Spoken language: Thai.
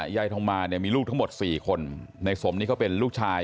ยายทองมามีลูกทั้งหมด๔คนในสมนี้ก็เป็นลูกชาย